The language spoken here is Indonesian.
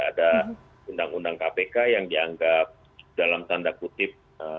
ada undang undang kpk yang dianggap dalam tanda kutip